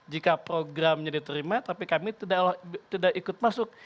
jika programnya diterima tapi kami tidak ikut masuk